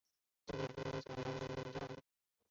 这笔费用因所采用的语言而异。